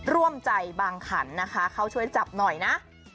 ร่วมใจบางขันนะคะเข้าช่วยจับหน่อยนะ